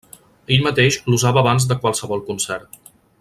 Ell mateix l'usava abans de qualsevol concert.